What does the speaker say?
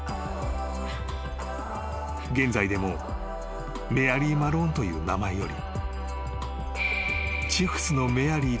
［現在でもメアリー・マローンという名前より］